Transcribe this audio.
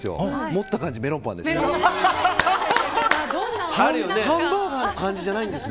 持った感じ、メロンパンです。